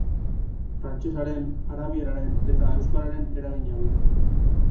Frantsesaren, arabieraren eta euskararen eragina du.